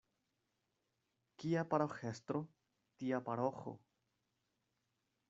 Kia paroĥestro, tia paroĥo.